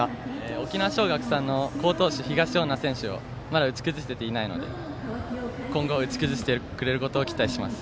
沖縄尚学さんの好投手東恩納さんをまだ、打ち崩せていないので今後、打ち崩してくれることを期待します。